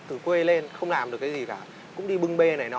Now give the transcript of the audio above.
từ quê lên không làm được cái gì cả cũng đi bưng bê này